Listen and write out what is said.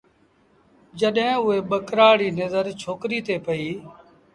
جڏهيݩ اُئي ٻڪرآڙ ري نزرڇوڪريٚ تي پئيٚ ۔